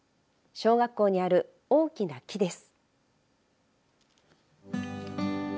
小学校にある大きな木です。